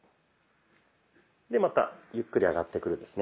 でまたゆっくり上がってくるんですね。